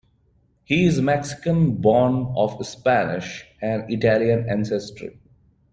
He is Mexican born of Spanish and Italian ancestry.